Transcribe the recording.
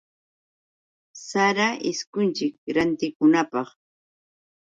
Sara ishkunchik rantikunapaq.